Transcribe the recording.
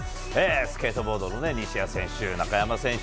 スケートボードの西矢選手、中山選手